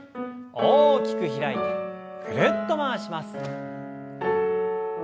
大きく開いてぐるっと回します。